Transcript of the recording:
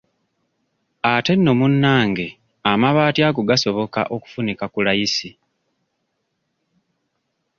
Ate nno munnange amabaati ago gasoboka okufunika ku layisi.